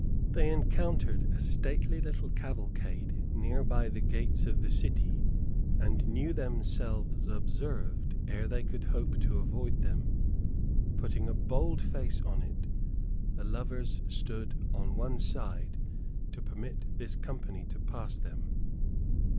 They encountered a stately little cavalcade near by the gates of the city, and knew themselves observed ere they could hope to avoid them. Putting a bold face on it, the lovers stood on one side, to permit this company to pass them.